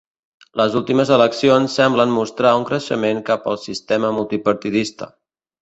Les últimes eleccions semblen mostrar un creixement cap al sistema multipartidista.